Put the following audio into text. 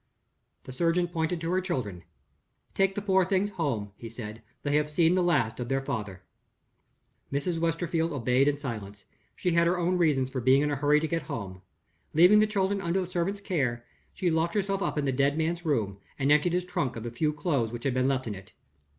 The surgeon pointed to her children. "Take the poor things home," he said; "they have seen the last of their father." Mrs. Westerfield obeyed in silence. She had her own reasons for being in a hurry to get home. Leaving the children under the servant's care, she locked herself up in the dead man's room, and emptied his trunk of the few clothes that had been left in it.